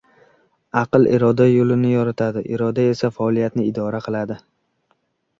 Aql iroda yo‘lini yoritadi, iroda esa faoliyatni idora qiladi.